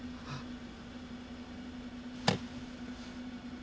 あっ。